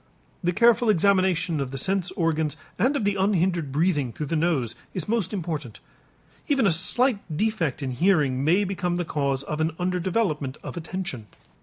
The careful examination of the sense organs and of the unhindered breathing through the nose is most important. Even a slight defect in hearing may become the cause of an under development of attention.